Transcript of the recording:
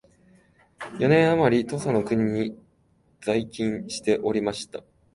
四年あまり土佐の国に在勤しておりました